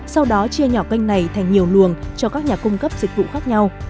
sau đó chia nhỏ kênh này thành nhiều luồng cho các nhà cung cấp dịch vụ khác nhau